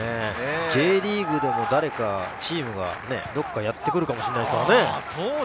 Ｊリーグでも誰かチームがどこかやってくるかもしれないですからね。